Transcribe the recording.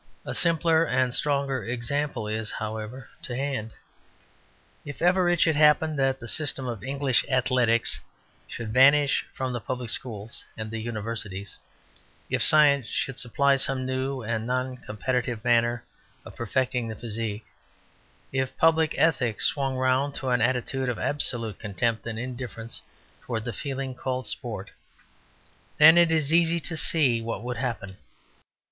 A simpler and stronger example is, however, to hand. If ever it should happen that the system of English athletics should vanish from the public schools and the universities, if science should supply some new and non competitive manner of perfecting the physique, if public ethics swung round to an attitude of absolute contempt and indifference towards the feeling called sport, then it is easy to see what would happen.